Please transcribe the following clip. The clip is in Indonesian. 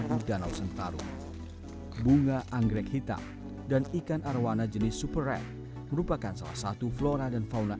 di danau sentarung bunga anggrek hitam dan ikan arowana jenis super red merupakan salah satu flora dan fauna